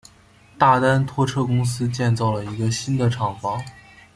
大丹拖车公司建造了一个新的厂房。